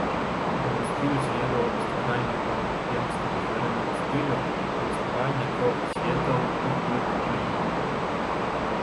Дэманструюць веру стваральнікаў пермскага звярынага стылю ў існаванне трох светаў і культ багінь.